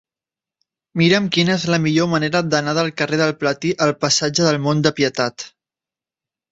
Mira'm quina és la millor manera d'anar del carrer del Platí al passatge del Mont de Pietat.